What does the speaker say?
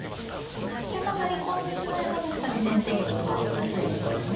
飛車が成り込んでしまえば確かに先手玉は薄いですよね。